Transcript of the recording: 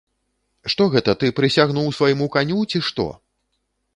Што гэта ты прысягнуў свайму каню, ці што?